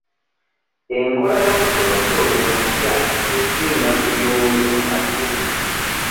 Enkola y'omusomesa ono omupya esinga ku y'oyo abaddewo.